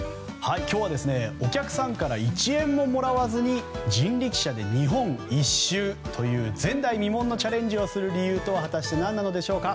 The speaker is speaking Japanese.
今日はお客さんから１円ももらわずに人力車で日本一周という前代未聞のチャレンジをする理由とは果たして何なのでしょうか。